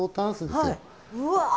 うわ。